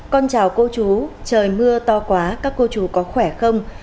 con chào cô chú trời mưa to quá các cô chú có khỏe không